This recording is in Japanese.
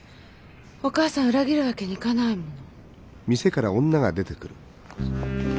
お義母さん裏切るわけにいかないもの。